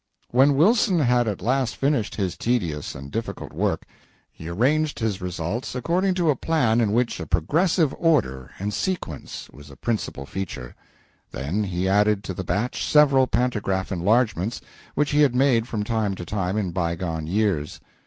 When Wilson had at last finished his tedious and difficult work, he arranged its results according to a plan in which a progressive order and sequence was a principal feature; then he added to the batch several pantograph enlargements which he had made from time to time in bygone years.